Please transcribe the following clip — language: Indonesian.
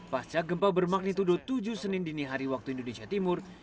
pasca gempa bermagnitudo tujuh senin dini hari waktu indonesia timur